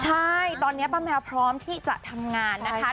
ใช่ตอนนี้ป้าแมวพร้อมที่จะทำงานนะคะ